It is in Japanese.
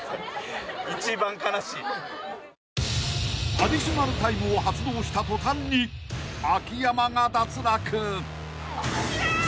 ［アディショナルタイムを発動した途端に秋山が脱落］